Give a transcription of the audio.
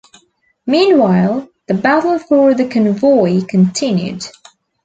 Meanwhile, the battle for the convoy continued.